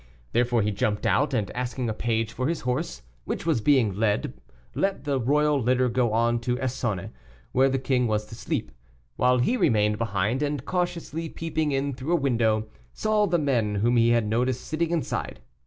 Therefore he jumped out, and asking a page for his horse, which was being led, let the royal litter go on to Essones, where the king was to sleep, while he remained behind, and, cautiously peeping in through a window, saw the men whom he had noticed sitting inside.